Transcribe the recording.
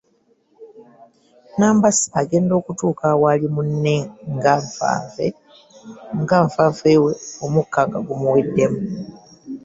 Nambasa agenda okutuuka awaali munne nga nfanfe we omukka guweddemu.